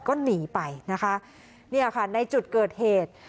ก็หนีไปนะคะเนี่ยค่ะในจุดเกิดเหตุ